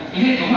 cái hệ thống đó